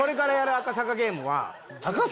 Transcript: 赤坂ゲーム？